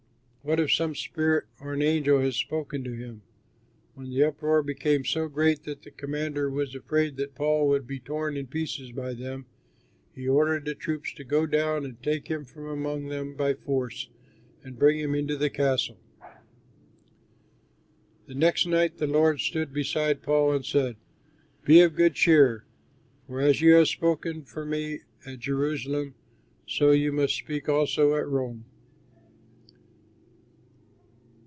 What if some spirit or an angel has spoken to him?" When the uproar became so great that the commander was afraid that Paul would be torn in pieces by them, he ordered the troops to go down and take him from among them by force and bring him into the castle. The next night the Lord stood beside Paul and said, "Be of good cheer, for as you have spoken for me at Jerusalem, so you must speak also at Rome."